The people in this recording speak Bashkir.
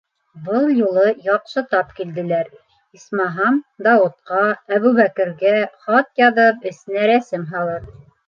Был юлы яҡшы тап килделәр, исмаһам, Дауытҡа, Әбүбәкергә хат яҙып, эсенә рәсем һалыр.